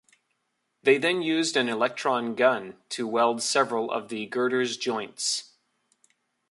They then used an electron gun to weld several of the girder's joints.